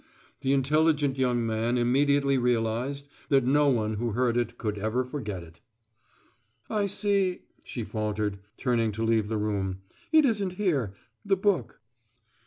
The intelligent young man immediately realized that no one who heard it could ever forget it. "I see," she faltered, turning to leave the room; "it isn't here the book."